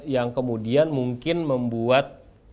yang kemudian mungkin membuat